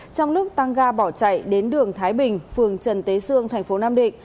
trong lúc tăng ga bỏ chạy đến đường thái bình phường trần tế sương tp nam định